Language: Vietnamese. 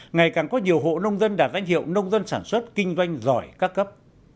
ngày càng có nhiều hộ nông dân đạt danh hiệu nông dân sản xuất kinh doanh giỏi các cấp